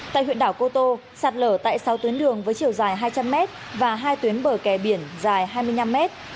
tại huyện đảo cô tô sạt lở tại sáu tuyến đường với chiều dài hai trăm linh mét và hai tuyến bờ kè biển dài hai mươi năm mét